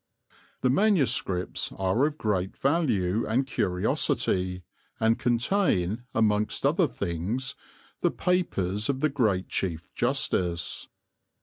The manuscripts are of great value and curiosity, and contain, amongst other things, the papers of the great Chief Justice.